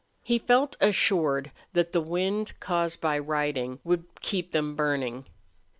He felt assured that the wind caused by riding would keep them burning.